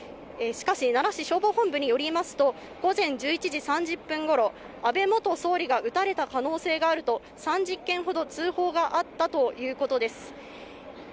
奈良市消防本部によりますと午前１１時３０分頃、安倍元総理が撃たれた可能性があると３０件ほど通報があったということです。